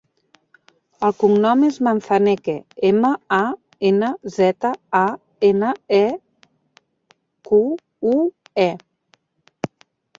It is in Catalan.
El cognom és Manzaneque: ema, a, ena, zeta, a, ena, e, cu, u, e.